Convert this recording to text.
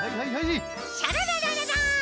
シャラララララン！